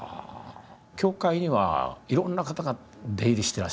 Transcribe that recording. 教会にはいろんな方が出入りしてらしたんですか？